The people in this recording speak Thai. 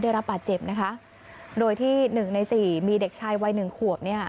ได้รับบาดเจ็บนะคะโดยที่หนึ่งในสี่มีเด็กชายวัยหนึ่งขวบเนี่ย